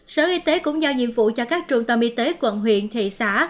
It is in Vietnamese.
sở y tế cũng giao nhiệm vụ cho các trung tâm y tế quận huyện thị xã